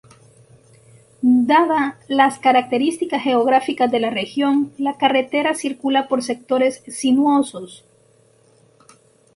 Dada las características geográficas de la región, la carretera circula por sectores sinuosos.